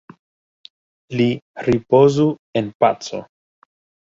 Li ripozu en paco!